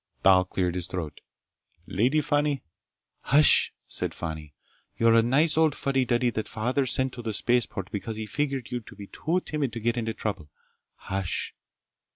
Thal cleared his throat. "Lady Fani—" "Hush!" said Fani. "You're a nice old fuddy duddy that father sent to the spaceport because he figured you'd be too timid to get into trouble. Hush!"